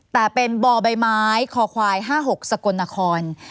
แต่เป็นบ่อใบไม้คอควาย๕๖สกลนคร